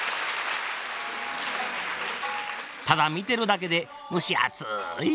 ただ見てるだけで蒸し暑い